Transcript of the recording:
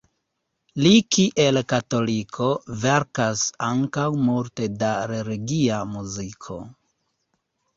Li kiel katoliko verkas ankaŭ multe da religia muziko.